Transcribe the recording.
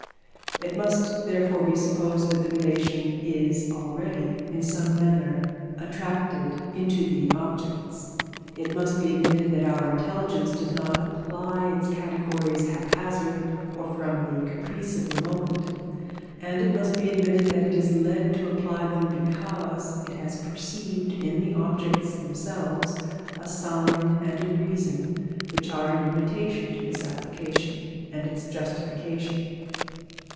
It must therefore be supposed that the relation is already, in some manner, attracted into the objects; it must be admitted that our intelligence does not apply its categories haphazard or from the caprice of the moment; and it must be admitted that it is led to apply them because it has perceived in the objects themselves a sign and a reason which are an invitation to this application, and its justification.